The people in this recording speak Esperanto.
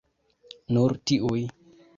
Nur tiuj.